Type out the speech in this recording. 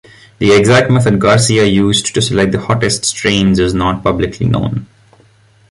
The exact method Garcia used to select the hottest strains is not publicly known.